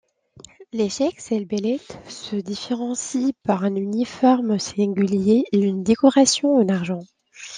Les cheiks-el-beled se différencient par un uniforme singulier et une décoration en argent.